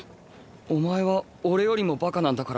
お前は俺よりもバカなんだから。